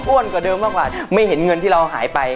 กว่าเดิมมากกว่าไม่เห็นเงินที่เราหายไป